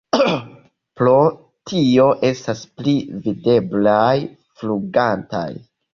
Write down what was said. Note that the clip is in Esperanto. Pro tio estas pli videblaj flugantaj.